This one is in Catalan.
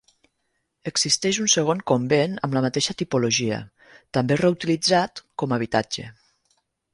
Existeix un segon convent amb la mateixa tipologia, també reutilitzat com a habitatge.